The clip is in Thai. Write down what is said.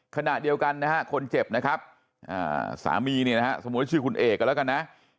ขณะเดียวกันนะฮะคนเจ็บนะครับสามีเนี่ยนะฮะสมมุติว่าชื่อคุณเอกกันแล้วกันนะ